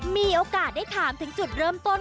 มีโอกาสได้ถามถึงจุดเริ่มต้น